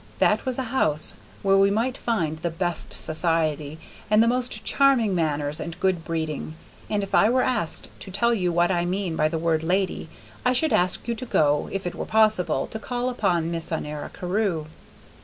That was a house where one might find the best society, and the most charming manners and good breeding, and if I were asked to tell you what I mean by the word "lady," I should ask you to go, if it were possible, to call upon Miss Honora Carew.